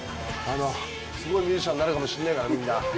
すごいミュージシャンになるかもしんないから、みんな。